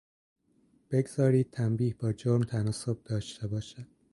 بگذارید تنبیه با جرم تناسب داشته باشد.